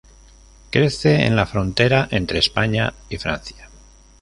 Crece en la frontera entre España y Francia.